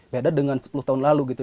beda dengan sepuluh tahun lalu gitu